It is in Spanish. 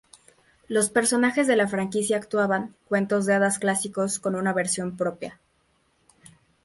Los personajes de la franquicia "actuaban" cuentos de hadas clásicos con una versión propia.